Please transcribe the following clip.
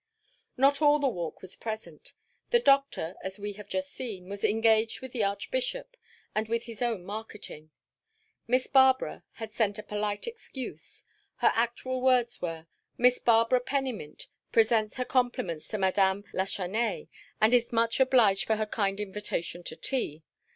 Not all the Walk was present. The Doctor, as we have just seen, was engaged with the Archbishop, and with his own marketing. Miss Barbara had sent a polite excuse. Her actual words were "Miss Barbara Pennymint presents her Compliments to Madame Lachesnais and is much obliged for her kind invitation to tea.